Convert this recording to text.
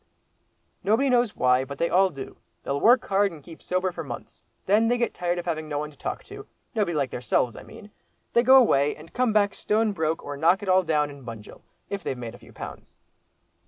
"Nobody knows why, but they all do; they'll work hard and keep sober for months. Then they get tired of having no one to talk to—nobody like theirselves, I mean. They go away, and come back stone broke, or knock it all down in Bunjil, if they've made a few pounds."